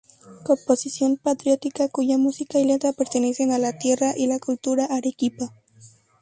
Composición patriótica cuya música y letra pertenecen a la tierra y la cultura arequipa.